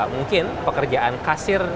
mungkin pekerjaan kasir ditolak